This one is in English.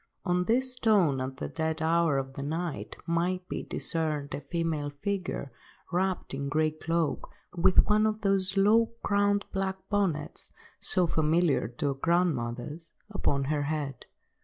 On this stone, at the dead hour of the night, might be discerned a female figure, wrapped in a grey cloak, with one of those low–crowned black bonnets, so familiar to our grandmothers, upon her head.